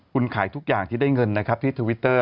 คุณขายทุกอย่างที่ได้เงินนะครับที่ทวิตเตอร์